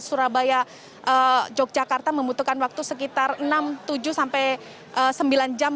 surabaya yogyakarta membutuhkan waktu sekitar enam tujuh sampai sembilan jam